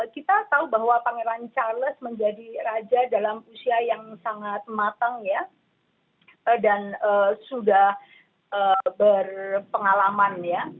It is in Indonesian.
kita tahu bahwa pangeran charles menjadi raja dalam usia yang sangat matang ya dan sudah berpengalaman ya